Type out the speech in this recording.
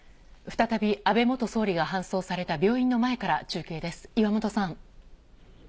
再び、安倍元総理が搬送された病院の前から中継です。